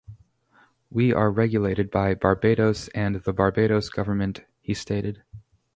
We are regulated by Barbados and the Barbados Government, he stated.